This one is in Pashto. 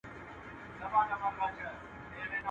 لويي يوازي له خداى سره ښايي.